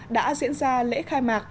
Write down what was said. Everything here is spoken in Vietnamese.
đã diễn ra lễ khai mạc